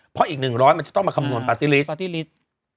เพราะอีก๑๐๐มันจะต้องมาคำนวณปาร์ตี้ลิสปาร์ตี้ลิสต์